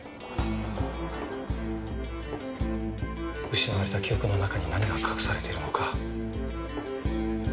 失われた記憶の中に何が隠されているのか。